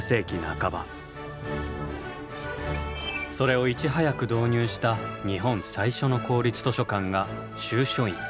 それをいち早く導入した日本最初の公立図書館が「集書院」。